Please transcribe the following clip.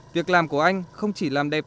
việc làm của anh không chỉ làm đẹp